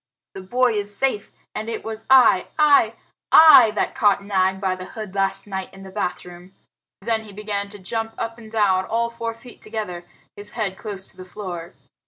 "The boy is safe, and it was I I I that caught Nag by the hood last night in the bathroom." Then he began to jump up and down, all four feet together, his head close to the floor.